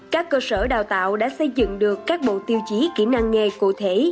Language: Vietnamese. các cơ sở đào tạo đã xây dựng được các bộ tiêu chí kỹ năng nghe cụ thể